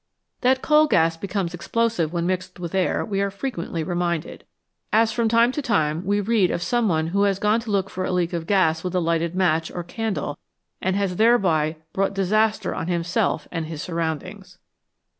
That coal gas becomes explosive when mixed with air we are frequently reminded, as from time to time we read of some one who has gone to look for a leak of gas with a lighted match or candle, and has thereby brought disaster on himself and his surroundings.